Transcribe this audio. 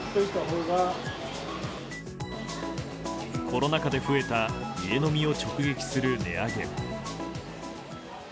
コロナ禍で増えた家飲みを直撃する値上げ。